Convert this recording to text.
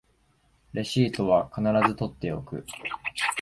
レシートは必ず取っておく